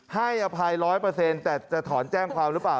ให้อภัยร้อยเปอร์เซ็นต์แต่จะถอนแจ้งความหรือเปล่า